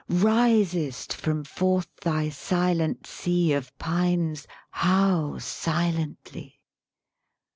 Risest from forth thy silent sea of pines, How silently!